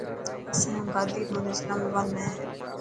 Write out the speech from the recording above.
اسايو گادي رو هند اسلام آباد ۾ هي .